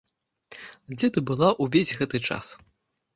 Дзе ты была ўвесь гэты час?